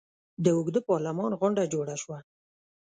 د اوږده پارلمان غونډه جوړه شوه.